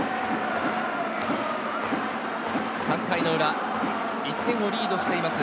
３回の裏、１点をリードしています。